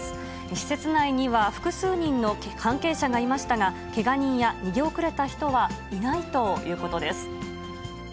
施設内には、複数人の関係者がいましたが、けが人や逃げ遅れた人はいないということです。